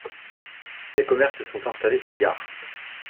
Des commerces sont installés en gare.